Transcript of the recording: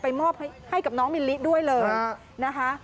มอบให้กับน้องมิลลิด้วยเลยนะคะ